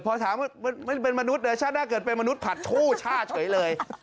พอถามว่าเป็นมนุษย์เลยชาติหน้าเกิดเป็นมนุษย์ผัดชู่ชาติเฉยเลย